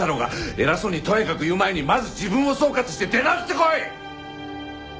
偉そうにとやかく言う前にまず自分を総括して出直してこい！